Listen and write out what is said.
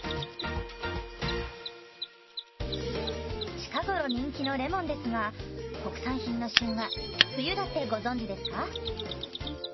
近頃人気のレモンですが国産品の旬は冬だってご存じですか？